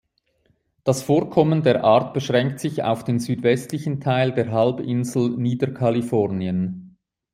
Das Vorkommen der Art beschränkt sich auf den südwestlichen Teil der Halbinsel Niederkalifornien.